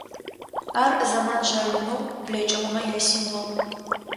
Ар зэман жъалымэу блэкӏыгъэмэ ясимвол.